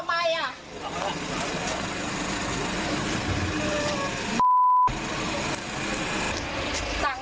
พี่แม่งตายตกผู้ชายกันล่ะ